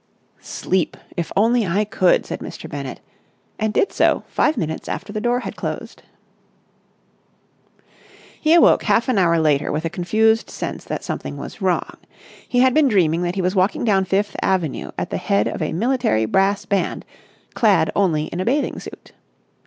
"Sleep! If I only could!" said Mr. Bennett, and did so five minutes after the door had closed. He awoke half an hour later with a confused sense that something was wrong. He had been dreaming that he was walking down Fifth Avenue at the head of a military brass band, clad only in a bathing suit.